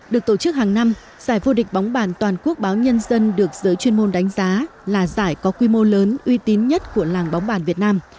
được tổ chức hàng năm giải vô địch bóng bàn toàn quốc báo nhân dân được giới chuyên môn đánh giá là giải có quy mô lớn uy tín nhất của làng bóng bàn việt nam